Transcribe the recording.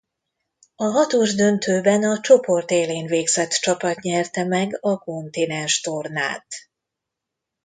A hatos döntőben a csoport élén végzett csapat nyerte meg a kontinenstornát.